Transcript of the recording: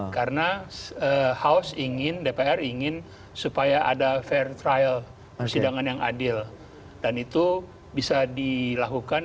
karena house ingin dpr ingin supaya ada fair trial persidangan yang adil dan itu bisa dilakukan